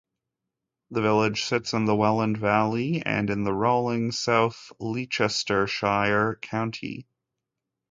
The village sits in the Welland Valley in the rolling south Leicestershire countryside.